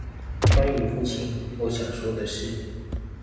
關於父親，我想說的事